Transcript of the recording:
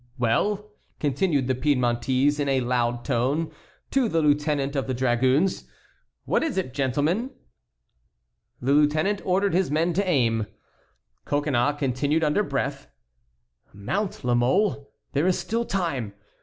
"Well!" continued the Piedmontese, in a loud tone, to the lieutenant of the dragoons. "What is it, gentlemen?" The lieutenant ordered his men to aim. Coconnas continued under breath: "Mount, La Mole, there is still time.